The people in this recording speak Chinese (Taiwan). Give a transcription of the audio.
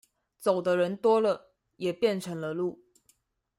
走的人多了，也便成了路